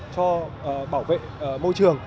một cho bảo vệ môi trường